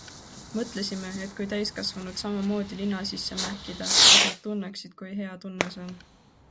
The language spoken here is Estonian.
Mõtlesime, et kui täiskasvanud samamoodi lina sisse mähkida, siis nad tunneksid, kui hea tunne see on.